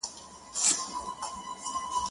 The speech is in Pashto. !د خدای د پاره کابل مه ورانوی!